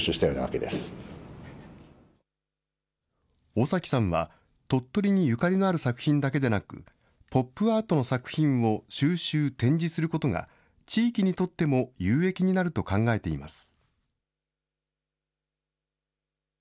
尾崎さんは、鳥取にゆかりのある作品だけでなく、ポップアートの作品を収集、展示することが地域にとっても有益になると考えています。